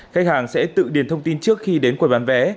khách hàng sẽ tự điền thông tin trước khi đến quầy bán vé